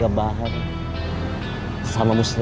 karena sudah melakukan pendekatan ke almarhum keluarga